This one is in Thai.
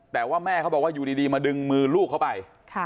แต่ว่าแม่เขาบอกว่าอยู่ดีมาดึงมือลูกเขาไป